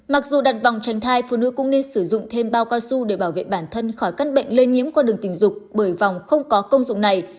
mặc dù đặt vòng tranh thai phụ nữ cũng nên sử dụng thêm bao cao su để bảo vệ bản thân khỏi căn bệnh lây nhiễm qua đường tình dục bởi vòng không có công dụng này